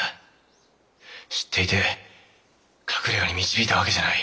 知っていて隠れがに導いたわけじゃない。